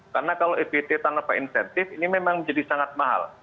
karena kalau ebt tanpa insentif ini memang jadi sangat mahal